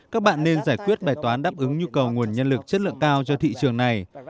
chúng ta cần phải quyết bài toán đáp ứng nhu cầu nguồn nhân lực chất lượng cao cho thị trường này